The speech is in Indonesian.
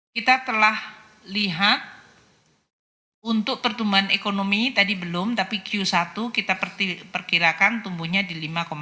kita telah lihat untuk pertumbuhan ekonomi tadi belum tapi q satu kita perkirakan tumbuhnya di lima empat